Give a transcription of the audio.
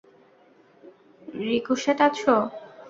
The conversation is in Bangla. রিকোশ্যাট, আছো?